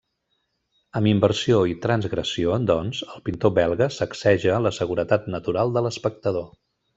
Amb inversió i transgressió, doncs, el pintor belga sacseja la seguretat natural de l'espectador.